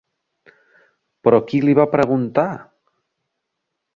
Però qui li va preguntar?